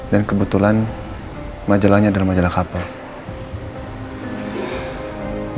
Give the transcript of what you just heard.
dan kebetulan majalahnya adalah majalah kapel